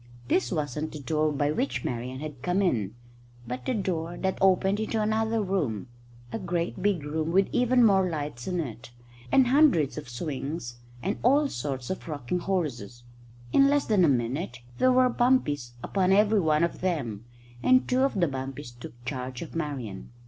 This wasn't the door by which Marian had come in, but a door that opened into another room a great big room with even more lights in it, and hundreds of swings and all sorts of rocking horses. In less than a minute there were bumpies upon every one of them, and two of the bumpies took charge of Marian.